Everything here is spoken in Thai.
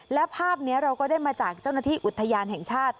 และภาพนี้เราก็ได้มาจากเจ้าหน้าที่อุทยานแห่งชาติ